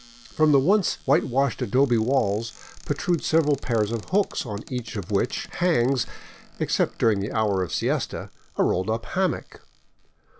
From the once white washed adobe walls protrude several pairs of hooks on each of which hangs, except during the hour of siesta, a rolled up hammock.